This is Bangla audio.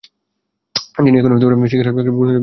তিনি এখনও শিখ রাজবংশকে পুনরুজ্জীবিত করার জন্য কৌতুহলী ছিলেন।